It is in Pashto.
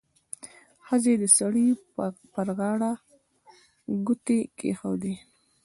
ښځې د سړي پر غاړه ګوتې کېښودې.